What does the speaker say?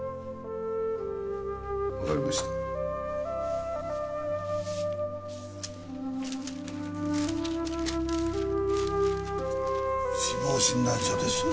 分かりました死亡診断書です